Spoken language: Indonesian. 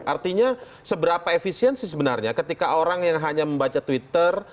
artinya seberapa efisiensi sebenarnya ketika orang yang hanya membaca twitter